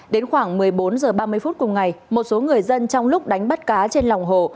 đến khoảng một mươi bốn h ba mươi phút cùng ngày một số người dân trong lúc đánh bắt cá trên lòng hồ